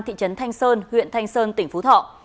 thị trấn thanh sơn huyện thanh sơn tỉnh phú thọ